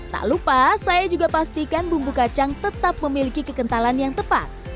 tak lupa saya juga pastikan bumbu kacang tetap memiliki kekentalan yang tepat